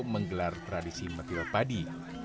menggelar tradisi metil padi